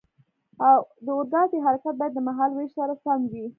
د اورګاډي حرکت باید د مهال ویش سره سم وي.